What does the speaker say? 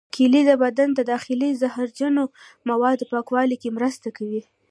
کېله د بدن د داخلي زهرجنو موادو پاکولو کې مرسته کوي.